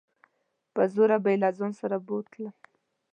په زوره به يې له ځان سره بوتلم.